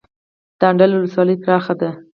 د اندړ ولسوالۍ پراخه ده